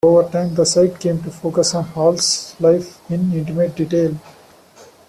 Over time, the site came to focus on Hall's life in intimate detail.